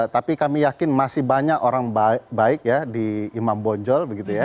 tapi kami yakin masih banyak orang baik di imam bonjol